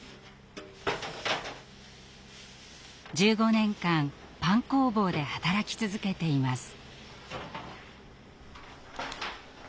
１５年間パン工房で働き続けています。